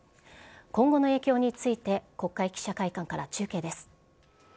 今後の影響について、国会記者会館から中継です。